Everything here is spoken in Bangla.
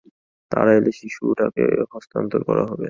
তাঁরা এলে শিশুটিকে হস্তান্তর করা হবে।